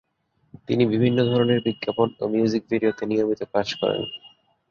তিনি বিভিন্ন ধরনের বিজ্ঞাপন এবং মিউজিক ভিডিওতে নিয়মিত কাজ করেন।